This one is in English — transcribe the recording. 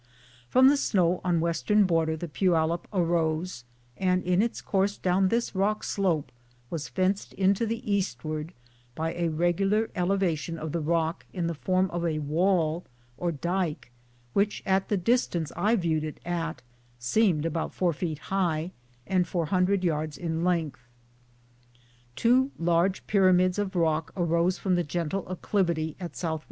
From the snow on western border the Poyallipa arose, and in its course down this rock slope was fenced into the eastward by a regular elevation of the rock in the form of a wall or dyke, which at the distance I viewed it at, seemed about four feet high and four hundred yards in length. Two large pyramids of rock arose from the gentle acclivity at S. W.